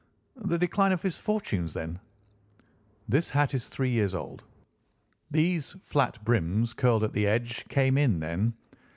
"The decline of his fortunes, then?" "This hat is three years old. These flat brims curled at the edge came in then.